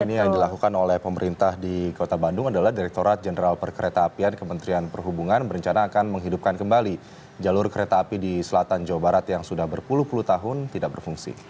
ini yang dilakukan oleh pemerintah di kota bandung adalah direkturat jenderal perkereta apian kementerian perhubungan berencana akan menghidupkan kembali jalur kereta api di selatan jawa barat yang sudah berpuluh puluh tahun tidak berfungsi